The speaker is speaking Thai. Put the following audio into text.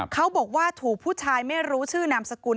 เขาบอกว่าถูกผู้ชายไม่รู้ชื่อนามสกุล